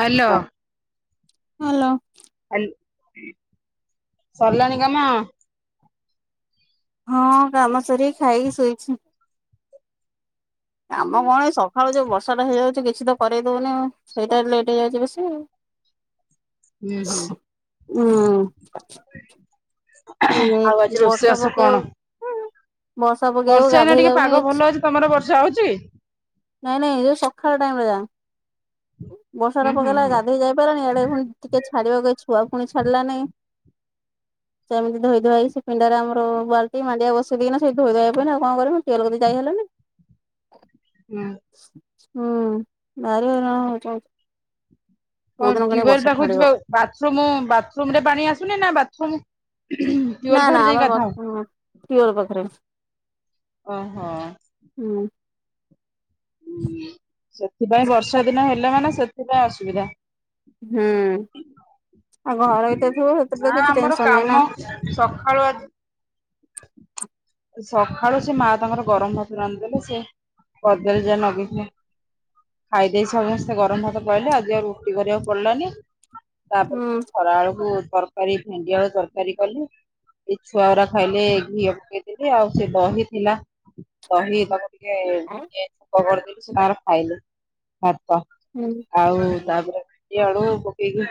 Hello. Hello. ହାଲ୍ ସରିଲାଣି କାମ? ହଁ କାମ ସାରି ଖାଇକି ଶୋଇଚି। କାମ କଣ ଏଇ ସକାଳୁ ଯୋଉ ବର୍ଷା ଟା ହେଇଯାଉଛି କିଛି ତ କରେଇ ଦୋଉନି ଆଉ, ସେଇଟା ଲେଟ୍ ହେଇଯାଉଛି ବେଶୀ ଆଉ। ହୁଁ ହୁଁ ଉଁ। ଆଉ ଆଜି ଉଁ ବର୍ଷା ରୋଷେଇବାସ ପକେଇ କଣ? ତ ବର୍ଷା ପକେଇବା କୁ ଏଇନା ଗାଧୋଇ ଟିକେ ଯାଉନି ପାଗ ଏ ଭଲ ଅଛି ତମର ବର୍ଷା ହଉଛି ନାଇଁ ନାଇଁ ଯୋଉ ସକାଳ ଟାଇମ୍ ରେ ଯା, ବର୍ଷା ହୁଁ ଟା ହୁଁ ପକେଇଲା ହୁଁ ଗାଧେଇ ଯାଇ ପାରିଲାନି। ଆଡେ ପୁଣି ଟିକେ ଛାଡିବାକୁ ଏ ଛୁଆ ପୁଣି ଛାଡ଼ିଲାନେଇଁ। ସେମିତି ଧୋଇ ଧୁଆ ହେଇକି, ସେ ପିଣ୍ଡାରେ ଆମର ବାଲ୍ଟି ମାଣ୍ଡିଆ ବସେଇ ଦେଇକିନା ସେଇ ଧୋଇ ଧୁଆ ହେଇପଡିନି ଆଉ କଣ କରିବି ଟିଅଲ କତିକି ଯାଇ ହେଲନି। ହୁଁ। ହୁଁ ଭାରି ହଇରାଣ ହୋଉଚ। ଟ୍ୟୁବଲ୍ ପାଖକୁ ଛାଡିବ। ଯିବା ବାଥରୁମ୍, ବାଥରୁମ୍ ରେ ପାଣି ଆସୁନି ନା ବାଥରୁମ୍ ନା ନା ଆମର ବାଥରୁମ୍, ଟିଅଲ ପାଖରେ। ଓହୋ। ହୁଁ। ହୁଁ ସେଥିପାଇଁ ବର୍ଷା ଦିନ ହେଲା ମାନେ ସେଥିପାଇଁ ଅସୁବିଧା। ହୁଁ ଆଉ ଘରେ ଭିତରେ ଥିବୁ, ସେଥିରେ ତ କିଛି ଟେନ୍ସନ ନାହିଁ ନା। ସଖାଳୁ ଆଜି ସଖାଳୁ ସେ ମା ତାଙ୍କର ଗରମ ଭାତ ରାନ୍ଧିଦେଲେ, ସେ କଦଳୀ ଯା ନଗେଇକି ଖାଇ ଦେଇକି ସମସ୍ତେ ଗରମ ଭାତ ପଳେଇଲେ। ଆଜି ଆଉ ରୁଟି କରିବାକୁ ପଡିଲାନି। ତାପରେ ହୁଁ। ଖରା ବେଳକୁ ତରକାରୀ ଭେଣ୍ଡି ଆଳୁ ତରକାରୀ କଲି। ଏ ଛୁଆ ରା ଖାଇଲେ ଘିଅ ପକେଇଦେଲି, ଆଉ ସେ ଦହି ଥିଲା ଦହି ତାଙ୍କ ଟିକେ [unintelligible] କରିଦେଇଲି ସେ ତାଙ୍କର ଖାଇଲେ ଭାତ। ହୁଁ। ଆଉ ତାପରେ ଭେଣ୍ଡି ଆଳୁ ପକେଇକି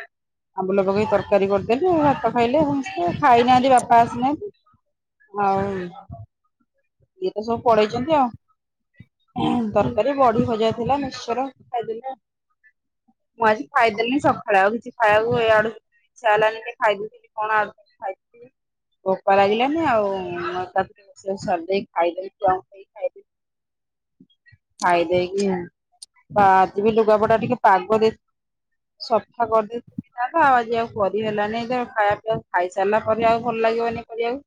ଆମ୍ବୁଲ ପକେଇକି ତରକାରୀ କରିଦେଲି, ଆଉ ଭାତ ଖାଇଲେ ସମସ୍ତେ। ଖାଇନାହାନ୍ତି ବାପା ଆସିନାହାନ୍ତି। ଆଉ ଇଏ ତ ସବୁ ପଡେଇଛନ୍ତି ଆଉ। ହୁଁ ତରକାରୀ ବଢି ଭଜା ଥିଲା ମିଶ୍ଚର। ଖାଇଦେଲେ। ମୁଁ ଆଜି ଖାଇଦେଲିନି ସକାଳେ ଆଉ କିଛି ଖାଇବାକୁ ଇଆଡୁ ଇଛା ହେଲାନି ଟିକେ କହିଦେଇଥିଲି କଣ ଆ ଖାଇଥିଲି। ଭୋକ ଲାଗିଲାନି ଆଉ ଏକାଥରେ ରୋଷେଇ ବାସ ସାରିଦେଇକି ଖାଇଦେଇ କି ଛୁଆଙ୍କୁ ଦେଇ ଖାଇକି ଖାଇଦେଇକି, ତ ଆଜିବି ଲୁଗାପଟା ଟିକେ ପାଗ ଦେଇ ଶଫା କରିଦେଇ ତ ଆଉ ଆଜି ଆଉ କରି ହେଲାନି ତ ଖାଇବା ପିଆବା ଖାଇସାରିଲା ପରେ ଆଉ ଭଲ ଲାଗିବନି କରିବାକୁ।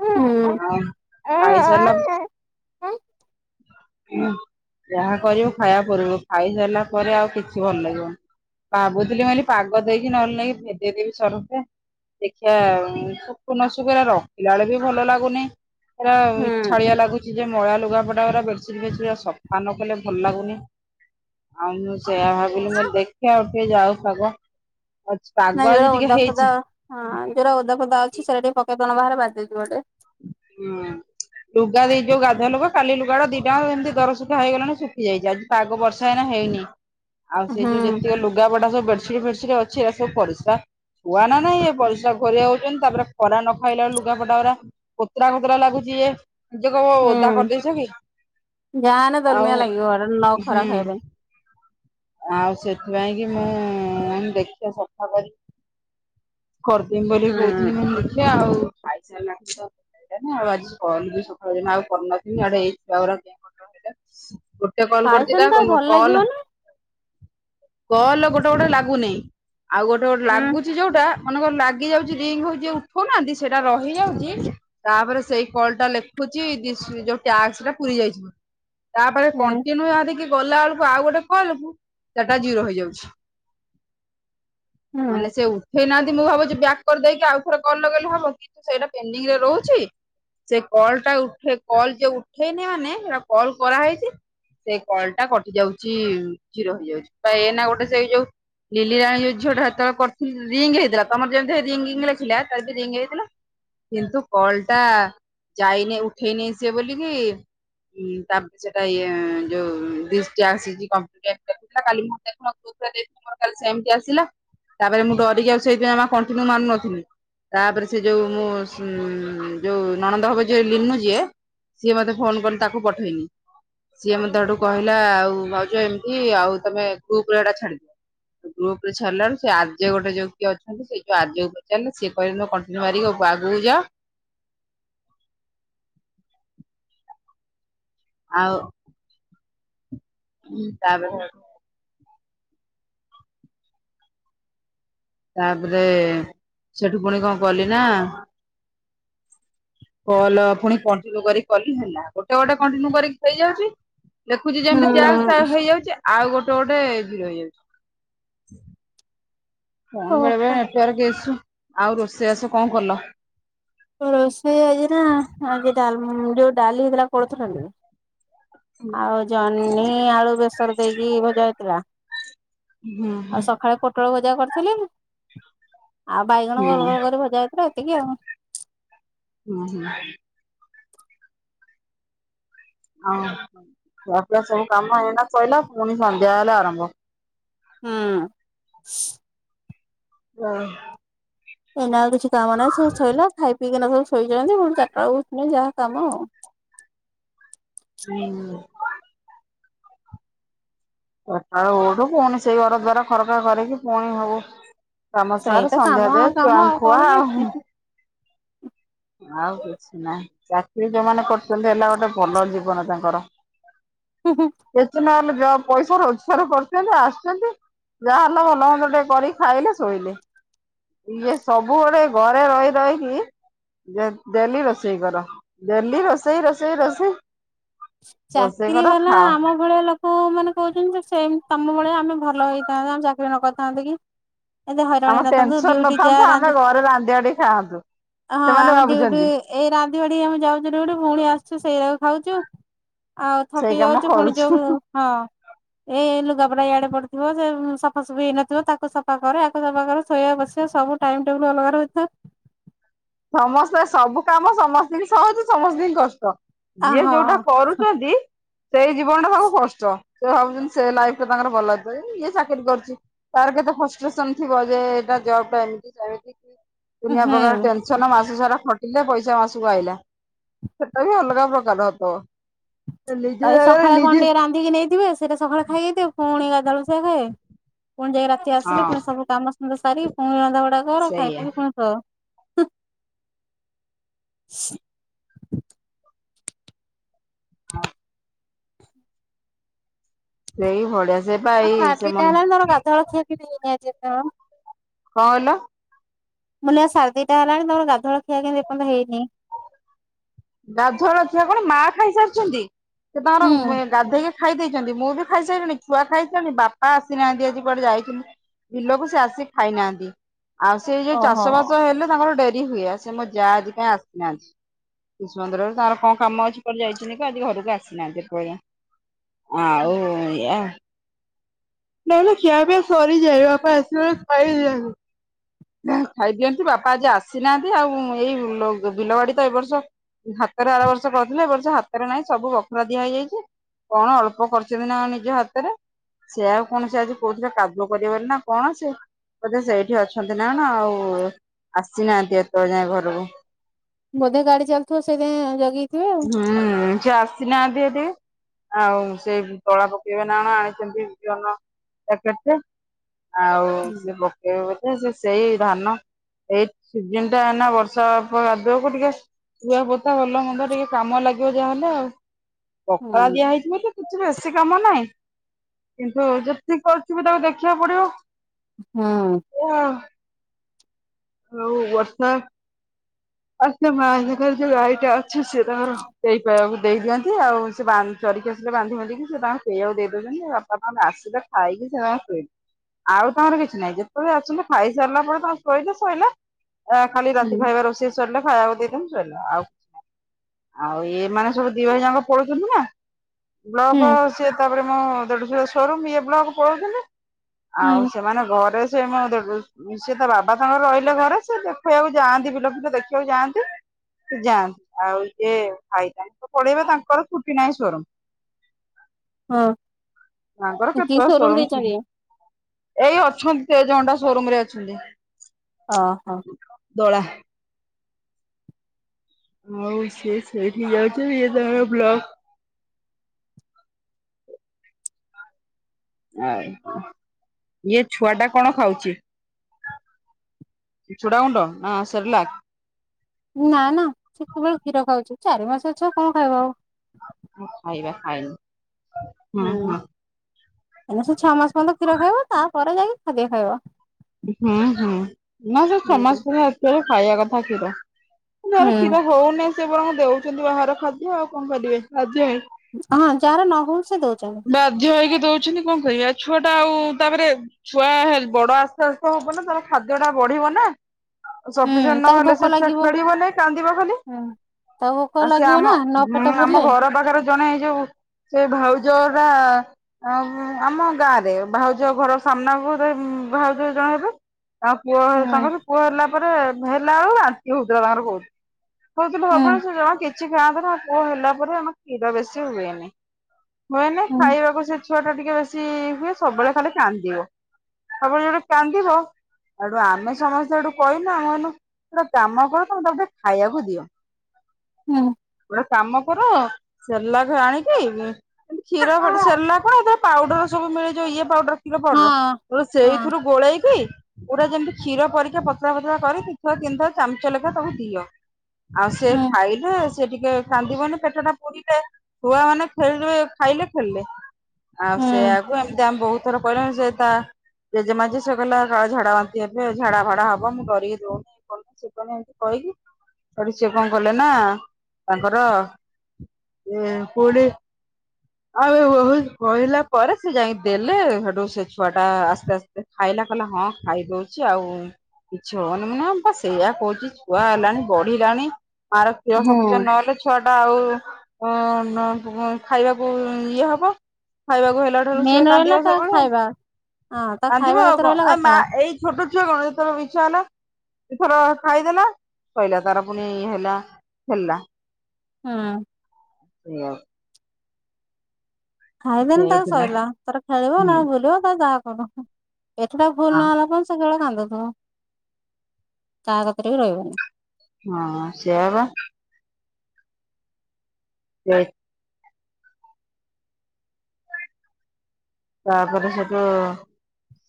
ହୁଁ ହଁ। ଖାଇସାରିଲା [unintelligible] ହୁଁ ଯାହା କରିବୁ ଖାଇବା ପୂର୍ବୁରୁ, ଖାଇସାରିଲା ପରେ ଆଉ କିଛି ଭଲ ଲାଗିବନି। ଭାବୁଥିଲି ମୁ କହିଲି ପାଗ ଦେଇଚି ନହେଲେ ନେଇକି ଭେଦେଇ ଦେବି ସରଫ ରେ। ଦେଖିବା ଶୁଖୁ ନ ଶୁଖୁ ଏରା ରଖିଲା ବେଳକୁ ବି ଭଲ ଲାଗୁନି। ଏରା ଇଠାଳିଆ ଲାଗୁଛି ଯେ ମଳିଆ ଲୁଗାପଟା ଗୁରା ବେଡସିଟ୍ ଫେଡ଼ସିଟ ଗୁରା ସଫା ନ କଲେ ଭଲ ଲାଗୁନି। ଆଉ ମୁଁ ସେଇଆ ଭାବିଲି, ମୁଁ କଇଲି ଦେଖିଆ ଆଉ ଟିକେ ଯାଉ ପାଗ। ଅଛି ପାଗ ନାଇଁ ଯୋଉରା ଆଜି ଟିକେ ଓଦା ଫୋଦା ହେଇଚି। ହଁ ଯୋଉରା ଓଦା ଫୋଦା ଅଛି ସେରା ଟିକେ ପକେଇ ଦଉନ ବାହାରେ ବାଜି ଯିବି ଟିକେ। ହୁଁ। ଲୁଗା ବି ଯୋଉ ଗାଧୁଆ ଲୁଗା କାଲି ଲୁଗା ଗୁଡା ଦିଟା ଯାଙ୍କ ଏମିତି ଦର ଶୁଖା ହେଇ ଗଲାଣି ଶଖି ଯାଇଛି ଆଜି। ପାଗ ବର୍ଷା ଏଇନା ହେଇନି ଆଉ ସେ ହୁଁ ଯୋଉ ଯେତିକି ଲୁଗା ପଟା ସବୁ ବେଡସିଟ୍ ଫେଡ଼ସିଟ। ଅଛି ଏରା ସବୁ ପାରିସ୍ରା। ଥୁଆ ନା ନାଇ ଏ ପରିସା ଘୋରେଇ ହଉଛନ୍ତି ତାପରେ ଖରା ନ ଖାଇଲାରୁ ଲୁଗାପଟା ଗୁରା। କୋତରା କୋତରା ଲାଗୁଛି ଏ। ଯିଏ କହିବ ଓଦା ହୁଁ। କରିଦେଇଛ କି ଯାହାହେନେ ଦୋଲମିଆ ଲାଗିବ ହେଟା ନ ଆଉ ଖରା ହୁଁ। ଖାଇଲେ ଆଉ ସେଥିପାଇଁ କି ମୁଁ କହିଲି ଦେଖିବା ସଫା କରି କରି ଦେମି ବୋଲି ହୁଁ କହୁଥିଲି ମୁଁ କଇଲି ଦେଖିବା ଆଉ। ଖଇସାରି ଲା ପରେ ତ ହେଲାନି ଆଉ ଆଜି କହିଲି ସକାଳୁ ଆଉ ମୁଁ କରିନଥିଲି ଆଡେ ଏ ଛୁଆ ଗୁଡା କେଁ କଟର। ଗୋଟେ କଲ କରୁଚି ଖାଇଛନ୍ତି ତା ତ ଆଉ ଭଲ କଲ୍। ଲାଗିବନି। କଲ ଗୋଟେ ଗୋଟେ ଲାଗୁନିଁ ଆଉ ଗୋଟେ ଗୋଟେ ହୁଁ ଲାଗୁ ଚି ଯୋଉଟା ମନେକର ଲାଗି ଯାଉଛି ରିଙ୍ଗ ହଉଚି ଯିଏ ଉଠଉ ନାହାନ୍ତି ସେଇଟା ରହିଯାଉଛି। ତାପରେ ସେଇ କଲ ଟା ଲେଖୁଛି ଦିସ୍ ଯୋଉ ଟ୍ୟାକ୍ସ ଟା ପୁରୀ ଯାଇଛି‌ ବୋଲି। ତାପରେ ହୁଁ କଣ୍ଟିନ୍ୟୁ କରିକି ଗଲା ବେଳକୁ ଆଉ ଗୋଟେ। କଲ କୁ ସେଟା ଜିର ହେଇଯାଉଛି ହୁଁ ନ‌ହେଲେ ସେ ଉ ଉଠେଇ ନାହାନ୍ତି ମୁଁ ଭାବୁଛି ବ୍ୟାକ୍ କରିଦେଇକି ଆଉଥରେ କଲ ଲଗେଇ ଲେ ହବ କିନ୍ତୁ ସେଇଟା ପେଣ୍ଡିଙ୍ଗ ରେ ରହୁଛି। ସେ କଲ ଟା ଉଠେଇ କଲ ଯୋ ଉଠେଇନି ମାନେ ସେଟା କଲ୍ କରା ହେଇଛି। ସେ କଲ୍ ଟା କଟି ଯାଉଛି ଜିରୋ ହେଇ ଯାଉଛି ତ ଏ ନା ଗୋଟେ ସେଇ ଯୋଉ। ଲିଲି ଜଣେ ଯୋଉ ଝିଅଟା ସେତେ ବେଳେ କରିଥିଲ ରିଙ୍ଗ ହେଇଥିଲା ତମର ଯେମିତି ରିଙ୍ଗିଙ୍ଗ୍ ଲେଖିଲା ତାର ବି ରିଙ୍ଗ ହେଇଥିଲା। କିନ୍ତୁ କଲ ଟା ଯାଇନି ଉଠେଇ ନେଇ ସିଏ ବୋଲିକି‌। ହୁଁ ତାପରେ ସେଇଟା ଇଏ ଯୋଉ ଦିସ ଟ୍ୟାକ୍ସ ଇଜ। [unintelligible] ମୋର କାଲି ସେମତି ଆସିଲା। ତାପରେ ମୁଁ ଡରିକି ଆଉ ସେଥିପାଇଁ ଯମା କଣ୍ଟିନ୍ୟୁ ମାରୁନଥିଲି‌। ତାପରେ ସେ ଯୋଉ ମୋ ସ ଯୋଉ ନଣନ୍ଦ ହବ ଯିଏ ଲିନୁ ଯିଏ। ସିଏ ମତେ ଫୋନ କଲେ ତାକୁ ପଠେଇଲି ସିଏ ମତେ ହେଠୁ କହିଲା ଆଉ ଭାଉ ଜ ଏମତି ଆଉ ତମେ ଗ୍ରୁପ ରେ ହେଟା ଛାଡ଼ିଦିଅ। ଗ୍ରୁପ ରେ ଛଡିଲାରୁ ସେ ଆର ଯେ ଗୋଟେ ଯୋଉ କିଏ ଅଛନ୍ତି ସେ ଯୋଉ ଆର୍ ଯେ କୁ ପଚାରି ଲେ ସେ କହିଲେ କ କଣ୍ଟିନୁ ସାରିକି ଓପ ଆଗକୁ ଯାଅ। ଆଉ। ହୁଁ ତାପରେ ହେଟୁ ତାପରେ ସେଠୁ ପୁଣି କଣ କଲି ନା। କଲ ପୁଣି କଣ୍ଟିନ୍ୟୁ କର କଲି ହେଲା ଗୋଟେ ଗୋଟେ କଣ୍ଟିନ୍ୟୁ କରି କି ହେଇ ଯାଉଛି। ଲେଖୁଛି ଯେମିତି ଟ୍ୟାକ୍ସ ହୁଁ ତାର ହେଇ ଯାଉଛି ଆଉ ଗୋଟେ ଗୋଟେ ଜିରୋ ହେଇଯାଉଛି। କଣ ବେଳେ ବେଳେ ଓହୋ ନେଟୱାର୍କ ଇସୁ ଆଉ ରୋଷେଇ ବାସ କଁ କଲ? ରୋଷେଇ ଆଜି ନା ଆଜି ଡାଲ୍ ଯୋଉ ଡାଲି ହେଇଥିଲା କୋଳଥ ଡାଲି। ଆଉ ଜହ୍ନି ଆଳୁ ବେସର ଦେଇକି ଭଜା ହେଇଥିଲା। ହୁଁ ଆଉ ହୁଁ। ସକାଳେ ପୋଟଳ ଭଜା କରିଥିଲି ଆଉ ବାଇଗଣ ହୁଁ ଗୋଲ ଗୋଲ କରି ଭଜା ହେଇଥିଲା ଏତିକି ଆଉ। ହୁଁ ହୁଁ। ହଉ ବାରଟା ସବୁ କାମ ହେଇନା ସହିଲା ପୁଣି ସନ୍ଧ୍ୟା ହେଲେ ଆରମ୍ଭ। ହୁଁ। ହଁ। ଏଇନା ଆଉ କିଛି କାମ ନାହିଁ ସବୁ ସୋଇଲାା ଖାଇ ପିଇକିନା ସବୁ ଶୋଇଛନ୍ତି ପୁଣି ଚାରିଟା ବେଳକୁ ପୁଣି ଯାହା କାମ ଆଉ। ହୁଁ ହୁଁ। ବାରଟା ବେଳୁ ରଠପୁଣି ସେଇ ଘର ଦ୍ଵାରା ଖରକା କରିକି ପୁଣି ହବ। କାମ ସେଇ ସାର ତ କାମ ସନ୍ଧ୍ୟା ଦେ ଆଉ କାମ ଛୁଆଙ୍କୁ ଆଉ ଖୁଆ କଣ କି? ଆଉ ଆଉ କିଛି ନାହିଁ ଚାକିରିୀ ଯୋଉମାନେ କରୁଛନ୍ତି ହେଲା ଗୋଟେ ଭଲ ଜୀବନ ତାଙ୍କର। [unintelligible] ରୋଜଗାର କରିୁଛନ୍ତି ଆସିଛନ୍ତି। ଯାହା ହେଲା ଭଲ ଭଲ ଟିକେ କରିକି ଖାଇଲେ ଶୋଇଲେ। ଇଏ ସବୁ ବେଳେ ଘରେ ରହି ରହିକି ଡେଲି ରୋଷେଇ କର ଡେଲି ରୋଷେଇ ରୋଷେଇ ରୋଷେଇ ରୋଷେଇ ଚାକିରି କର ବାଲା ଖାଅ ଆମ ଭଳିଆ ଲୋକ ପୁଅ ମାନେ କହୁଚନ୍ତି ଯେ ସେ ତମ ଭଳି ଆମେ ଭଲ ହେଇଥାନ୍ତେ ଆମେ ଚାକିରି ନ କରିଥାନ୍ତେ କି? ଏତେ ହଇରାଣ ଆମ ହେଇନଥାନ୍ତୁ ଟେନସନ ଡିଉଟି ଯ ନଥାନ୍ତା ଆମେ ରାନ୍ଧେ ଘରେ ରାନ୍ଧିବାଢି ଖାଆନ୍ତୁ ହଁ ସେମାନେ ଆମେ ଡିଉଟି ଭାବୁଛନ୍ତି ଏଇ ରାନ୍ଧିିବାଢି କି ଆମେ ଯାଉଛୁ ଡି ଉଟି ପୁଣି ଆସୁଛୁ ସେଇୟାକୁ ଖାଉଛୁ। ଆଉ ସେଇ ଥକି କାମ ଯାଉଚୁ ପୁଣି କରୁଛୁ। ଯକୁ ହଁ। ଏଇ ଲୁଗା ପଟା ଇଆଡେ ପଡିଥିବ ସେ ସଫାସଫି ହେଇନଥିବ ତାକୁ ସଫା କର ୟାକୁ ସଫା କରେ ଶୋଇବା ବସିବା ସବୁ ଟାଇମ ଟେବୁଲ ଅଲଗା ରହିଥାଏ। ସମସ୍ତେ ସବୁ କାମ ସମସ୍ତଙ୍କୁ ସହଜ ସମସ୍ତଙ୍କୁ କଷ୍ଟ। ଆ ଯିଏ ଯୋଉଟା ହଁ କରୁଚନ୍ତି ସେଇ ଜୀବନ ଟା ତାଙ୍କୁ କଷ୍ଟ ସେ ଭାବୁଚନ୍ତି ସେ ଲାଇଫ ଟା ତାଙ୍କର ଭଲ ଅଛି ଯିଏ ଚାକିରି କରୁଚି। ତାର କେତେ ଫଷ୍ଟ୍ରେସନ ଥିବ ଯେ ଏଟା ଜବ ଟା ଏମତି ସେମିତି ଦୁନିଆ ହୁଁ ପ୍ରକାର ସେ ନା ମାସ ସାରା ଖଟିଲେ ପଇସା ମାସକୁ ଆଇଲା। ସେଟା ବି ଅଲଗା ପ୍ରକାର ଥବ। ନିଜ ଏଇ ଯାଗାରେ ସକାଳେ କଣ ନିଯେ ଟିକେ ରାନ୍ଧିକି ନେଇଥିବେ ସେଇଟା ସକାଳେ ଖାଇଦେଇଥିବେ ପୁଣି ଗାଧୁଆବେଳକୁ ସେୟା ଖାଇବେ ପୁଣି ଯାଇକି ରା ସେ ଆସିଲେ ହଁ ପୁଣି ସବୁ କାମ ସୁନ୍ଦର ସାରିକି ପୁଣି ରନ୍ଧାବଢ଼ା କର ଖାଇ ସେଇଆ ପିଇ ପୁଣି ସୋ। ହୁଁ। ଦେଇ ଭଡିଆ ସେ ପା ଆଉ ଏଇ ସାଢ଼େ ସେ ଦିଟା ମନ ହେଲାଣି ତମର ଗାଧଳ ଖିଆ କେମିତିକି ଆଜି ଏତେବେଳ କଅଁ ଏ ଲା? ମୁଁ କଇଲି ଆଉ ସାଢେ ଦିଟା ହେଲାଣି ତମର ଗାଧୁଆ ଖିଆ କିନ୍ତୁ ଏପର୍ଯ୍ୟନ୍ତ ହେଇନି। ଗାଧୁଆ ବେଳ ଖିଆ କଣ ମା ଖାଇସାରିଛନ୍ତି। ସେ ହୁଁ ତାଙ୍କର ଗାଧେଇକି ଖାଇ ଦେଇଛନ୍ତି ମୁଁ ବି ଖାଇସାରିଲିଣି ଛୁଆ ଖାଇସାରିଲେଣି ବାପା ଆସିନାହାନ୍ତି ଆଜି କୁଆଡେ ଯାଇ ତନ୍ତି। ବିଲକୁ ସେ ଆସିିକି ଖାଇନାହାନ୍ତି। ଆଉ ସେ ଯୋଉ ଓହୋ ଚାଷ ବାସ ହେଲେ ତାଙ୍କର ଡେରି ହୁଏ। ସେ ମୋ ଯା ଆଜି କାଇଁ ଆସିନାହାନ୍ତି। ଶିଶୁ ମନ୍ଦିରେ ତାଙ୍କର। କଣ କାମ ଅଛି କୁଆଡ଼େ ଯାଇଛନ୍ତି କି ଆଜି ଘରକୁ ଆସିନାହାନ୍ତି ଏପର୍ଯ୍ୟନ୍ତ, ଆଉ ୟା ନାଇଁ କିଆ ପିଆ ସରିଯାଏ ବାପା ଆସିଲା ବେଳେ ଖାଇବେ ଯାହାହେଲେ। ଖାଇଦିଅନ୍ତି ବାପା ଆଜି ଆସିନାହାନ୍ତି ଆଉ ଏଇ ବିଲବାଡି ତ ଏ ବର୍ଷ ହାତରେ ଆର ବର୍ଷ କରିଥିଲେ ଏ ବର୍ଷ ହାତରେ ନାହିଁ ସବୁ ବଖରା ଦିଆ ହେଇଯାଇଚି। କଣ ଅଳ୍ପ କରି ଚନ୍ତି ନା ନିଜ ହାତରେ। ସେ ଆଉ କଣ ସେ ଆଜି କହୁଥିଲେ କାଦୁଅ କରିବାର ନା କଣ ସେ। ବୋଧେ ସେଇଠି ଅଛନ୍ତି ନା ନା ଆଉ ଆସିନାହାନ୍ତି ଏତେବେଳେ ଯାଏ ଘରକୁ। ବୋଧେ ଗାଡି ଚାଲୁଥିବ ସେଇଥି ପାଇଁ ଜଗିଥିବେ। ଆଉ। ହୁଁ ସେ ଆସିନାହାନ୍ତି [unintelligible] ଆଉ ସେଇ ତଳା ପକେଇବେ ନା କଣ ଆଣିଛନ୍ତି [unintelligible] ଜନ ଆଉ ହୁଁ। ସେ ବକେଇ ବୋଧେ ସେ ସେଇ ଧାନ ଏଇ ସିଜିନ ଟା ନା ବର୍ଷା କାଦୁଅ ଟିକେ ରୁଆ ପୁତା ଭଲ ମନ୍ଦ ଟିକେ କାମ ଲାଗିବ ଯାହାହେଲେ ଆଉ ହୁଁ ପଖଳା ଦିଆହଇଛି ବୋଧେ କିଛି ବେଶୀ କାମ ନାହିଁ କିନ୍ତୁ ଯେତିକି କରୁଛି ବି ତାକୁ ଦେଖିବାକୁ ପଡିବ। ହୁଁ। [unintelligible] ହଉ ବର୍ଷା ଆ [unintelligible] ସେ ତାଙ୍କର କେ ପାଇବାକୁ ଦେଇଦିଅନ୍ତି ଆଉ ସେ ବାନ୍ଦ୍ ଚରିକି ଆସିଲେ ବାନ୍ଧି ବାନ୍ଧିକି ସେ ତାଙ୍କଙ୍କୁ ପିଇବାକୁ ଦେଇ ଦେଉଛନ୍ତି, ବାପା ମା ଆସିଲେ ଖାଇକି ସେମାନେ ଶୋଇଲେ ଆଉ ତମର କିଛି ନାହିଁ ଯେତେବେଳେ ଆସିଲେ ଖାଇସାରିଲା ପରେ ତ ଶୋଇଲେ। ଶୋଇଲେ ଖାଲି ହୁଁ ରାତି ଖାଇବା ରୋଷେଇ ସରିଲା ଖାଇବାକୁ ଦେଇଦିଅନ୍ତି ସରିଲା ଆଉ କିଛି ନାହିଁ। ଆଉ ଏଇ ମାନେ ସବୁ ଦି ଭାଇ ଜାକ ପଲୋଉଛନ୍ତି ନା। ହୁଁ ବ୍ଲକ ସେ ତାପରେ ମୋ ଦେଢଶୁର ସୋରୁମ ଇଏ ବ୍ଲକ ପଳଉଛନ୍ତି। ହୁଁ ଆଉ ସେମାନେ ଘରେ ସେ ମୋ ଦେଢ଼ ସେ ବାବା ତାଙ୍କର ରହିଲେ ଘରେ ସେ ଦେଖେଇବାକୁ ଯାଆନ୍ତି ବିଲକୁ ଦେଖିବାକୁ ଯାଆନ୍ତି। ସେ ଯାଆନ୍ତି ଆଉ ଯିଏ ଖାଇ ତ ପଳେଇବା ତାଙ୍କର ଛୁଟି ନାହିଁ ତାଙ୍କର। ହଁ ତାଙ୍କର କି କେତେ ସୋରୁମ ସୋର ଦେଇଛନ୍ତି ଏଇ ଅଛନ୍ତି ଏଜଣ୍ଡା ସୋରୁମ୍ ରେ ଅଛନ୍ତି। ଓହୋ। ଦୋଳା ହଉ ସିଏ ସେଇଠି ଯାଉ [unintelligible] ଇଏ ତା ବ୍ଲକ ଆଉ ଇଏ ଛୁଆ ଟା କଣ ଖାଉଛି? ଚୁଡ଼ାଗୁଣ୍ଡ ନାଁ ସେରିଲା ନା ନା ସେତେୁବେଳେ କ୍ଷୀର ଖାଉଛୁ ଚାରି ମାସ ଅଛ କଣ ଖାଇବା ଆଉ? ଖାଇବା ଖାଇନି। ହୁଁ ଏଇନା ସେ ଛଅ ମାସ ପର୍ଯ୍ୟନ୍ତ କ୍ଷୀର ଖାଇବ, ତାପରେ ଯାଇକି ଖାଦି ଖାଇବ। ହୁଁ ହୁଁ ନା ସେ ଛଅ ହୁଁ ମାସ ପର୍ଯ୍ୟନ୍ତ ଖାଇବା କଥା କ୍ଷୀର ନରେ ହୁଁ କ୍ଷୀର ହଉନି ସେ ବ ଦେଉଛନ୍ତି ବାହାର ଖାଦ୍ୟ ଆଉ କଣ କରିବେ, ବାଧ୍ୟରେ ହଁ ଯାହାର ନ ହଉଚି ସେ ଦଉଛନ୍ତି। ବାଧ୍ୟ ହୋଇକି ଦଉଛନ୍ତି କଣ କରିବାହ? ଛୁଆଟା ଆଉ ତାପରେ ଛୁଆ ସେଲ୍ ବଡ ଆସ୍ତେ ଆସ୍ତେ ହବ ନା ତାର ଖାଦ୍ୟ ଟା ବଢିବ ନା? ସଫିସିଏଣ୍ଟ ହୁଁ ତାକୁ ନହେଲେ ଭୋକ ସେ ଛୁଆ ଲାଗିବ ଖେଳିବନାଇ କାନ୍ଦିବା ଖାଲି। ହୁଁ ତାକୁ ଭୋକ ଆଉ ସେ ଲାଗିବ ଆମ ନା ନ ପେଟ ହୁମ୍ ଆମ ପୁରିଲେ ଘର ପାଖରେ ଜଣେ ଏଇ ଯୋଉ ସେ ଭାଉ ଜୋରା ଅମଁ ଆମ ଗାଁ ରେ ଭାଉଜ ଘର ସାମ୍ନାକୁ ରେ ଭାଉଜ ଜଣଭେ ତାଂ ପୁଅ ହୁଁ ତାଙ୍କର ପୁଅ ହେଲା ପରେ ହେଲା ଳୁ ବାନ୍ତି ହଉଥିଲା ତାଙ୍କର ବୋହୁ କଉଥିଲୁ ହୁଁ ହବ ସେ ଜମା କିଛି ଖାଆନ୍ତ ନା ପୁଅ ହେଲା ପରେ ଆମ କ୍ଷୀର ବେଶୀ ହୁଏନି। ହୁଏନି ହୁଁ ଖାଇବାକୁ ସେ ଛୁଆ ଟା ଟିକେ ବେଶି ହୁଏ ସବୁବେଳେ ଖାଲି କାନ୍ଦିବ। ହବ ଯୋରେ କାନ୍ଦିବ ହେଠୁ ଆମେ ସମସ୍ତେ ଏଠୁ କହିନେ ଆମନୁ ତୁରା କାମ କର ତମେ ତାଟେ ଖାଇବାକୁ ଦିଅ। ହୁଁ। କାମ କର ସେରଲାକ୍ ଆଣିକି କ୍ଷୀର ବଧେ ହଁ ସେର୍ଲାକ ଆଉଥରେ ପାଉଡର ସବୁ ମିଳିଯିଉ ଇଏ ପାଉଡର ଖିର ପାଉଡର୍ ହଁ ସେଇଥିରୁ ଗୋଳେଇକି ପୁରା ଯେମିତି କ୍ଷୀର ପରିକା ପତଳା ପତଳା କରିକି ଥର ତିନିଥର ଚଂଚେ ଲେଖା ତାକୁ ଦିଅ। ଆଉ ସେ ହୁଁ ଖାଇଲେ ସେ ଟିକେ କାନ୍ଦିବନି ପେଟ ଟା ପୁରିଲେ ଛୁଆ ମାନେ ଖେଳ୍ [unintelligible] ଖାଇଲେ ଖେଲେ ଆଉ ହୁଁ ସେୟାକୁ ଏମିତି ଆମ୍ ବହୁ ଥର କହିଲୁ ସେ ତା ଜେଜେମାଜେ ସେ କଲା କା ଝାଡ଼ା ବାନ୍ତି ହେବେ ଝାଡା ଭାଡା ହବ ମୁଁ ଡିରିକି ଦଉ [unintelligible] କହିକି ସେଠୁ ସେ କଣ କଲେ ନା ତାଙ୍କର ହେ ପୁଡି ଆଉ ବହୁତ୍ କହିଲା ପରେ ସେ ଯାଇଁ ଦେଲେ ସେଠୁ ସେ ଛୁଆ ଟା ଆସ୍ତେ ଆସ୍ତେ ସେ ଖାଇଲା କହିଲା ହଁ ଖାଇଦଉଛି ଆଉ କିଛି ହବନି ମୁଁ ନା ବା ସେଇଆ କହୁଛି ଛୁଆ ହେଲାଣି ବଢିଲାଣି ମାର କ୍ଷୀର ସପିସେଣ୍ଟ ହୁଁ ନହେଲେ ଛୁଆ ଟା ଆଉ ଉଁ ନ ଉଁ ଖାଇବାକୁ କୁ ଇଏ ହବ ଖାଇବାକୁ ହେ ଲା ଠାରୁ ସିଏ ମେନ୍ ରହିଲା କାନ୍ଦିବ ତା ସବୁଳୁ ଖାଇବା ହଁ ତା ଖାଇବା କାନ୍ଦିବ କଥା ଆଉ କ ରହିଲା ଏ କଥା ମା ଏଇ ଛୋଟ ଛୁଆ ଗଣ [unintelligible] ଇଛାହେଲା ଥର ଖାଇଦେଲା ସ‌ଇଲା ତାର ପୁଣି ଇ ହେଲା ଖେଲା ହୁଁ। ମିଅ ଖାଇଦେନ଼ ତା ସେଇଥିଲା ସଇଲା ତାର ଖେଳିବ ହୁଁ ନା ବୁଲିବ ତ ଯାହା କରୁ ଏଠିଟା ଫୁଲ୍ ହଁ ନହେଲା ପନ ସେ କେବଳ କାନ୍ଦୁଥିବ କାହା ପାଖରେ ବି ରହିବନି। ହଁ ସେଆ ବା [unintelligible] ତାପରେ ସେଠୁ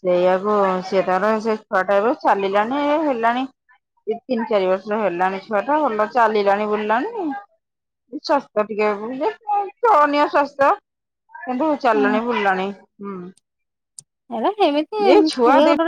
ସେଇଆକୁ ସିଏ ତାର ସେ ଛୁଆ ଟାବେ ଚାଲିଲାଣିଇ ଇଏ ହେଲାଣି ତିନ୍ ତିନି ଚାରି ବର୍ଷ ହେଲାଣି ଛୁଆ ଟା ଭଲ ଚାଲିଲାଣି ବୁଲିଲାଣି ସ୍ୱାସ୍ଥ୍ୟ ଟିକେନୀୟ [unintelligible] ସ୍ୱାସ୍ଥ୍ୟ କିନ୍ତୁ ହୁଁ। ଚାଲାଣି ବୁଲାଣି, ହୁଁ। [inaudible] ହେଲା ହେମିତି କୁଏ ଏଇ ଛୁଆ ଦେ ଗୋଟେରେ